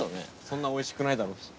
そんなおいしくないだろうし。